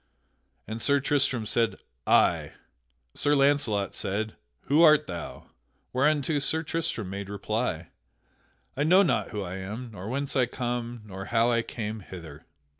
And Sir Tristram said, "Ay." Sir Launcelot said, "Who art thou?" Whereunto Sir Tristram made reply: "I know not who I am, nor whence I come, nor how I came hither."